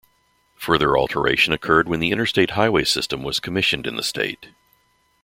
Further alteration occurred when the Interstate Highway System was commissioned in the state.